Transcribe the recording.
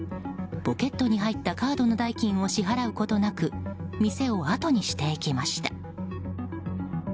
ポケットに入ったカードの代金を支払うことなく店をあとにしていきました。